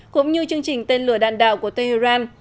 cũng như chương trình tên lửa đạn đạo của tehran